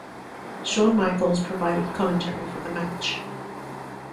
Shawn Michaels provided commentary for the match.